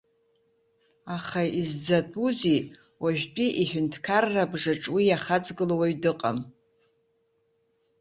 Аха изӡатәузеи уажәтәи иҳәынҭқаррабжаҿ уи иахаҵгыло уаҩ дыҟам.